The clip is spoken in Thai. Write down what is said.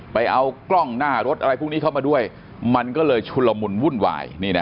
ไปเอากล้องหน้ารถอะไรพวกนี้เข้ามาด้วยมันก็เลยชุนละมุนวุ่นวาย